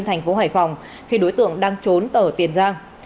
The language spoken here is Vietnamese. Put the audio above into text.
thành phố hải phòng khi đối tượng đang trốn ở tiền giang